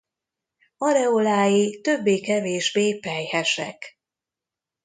Areolái többé-kevésbé pelyhesek.